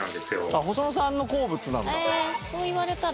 あっ細野さんの好物なんだ。